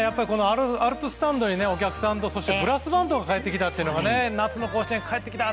アルプススタンドにお客さんと、ブラスバンドが帰ってきたというのが夏の甲子園、帰ってきた！